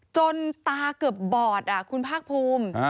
จนตาเกือบบอดคุณภาคภูมิ